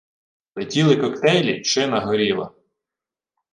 Летіли коктейлі, шина горіла